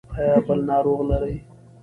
ایا بل ناروغ لرئ؟